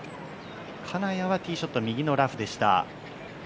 金谷はティーショット、右のラフでした。